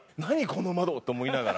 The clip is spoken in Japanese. この窓！と思いながら。